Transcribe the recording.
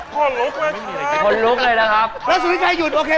พี่น่ะสุอิทชัยหยุดโอเคไหม